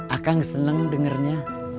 akang seneng dengernya